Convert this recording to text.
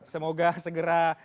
semoga segera membaik pak cuace